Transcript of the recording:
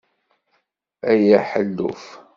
Ay aḥelluf!